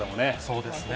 そうですよね。